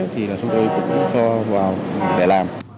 thì là chúng tôi cũng cho vào để làm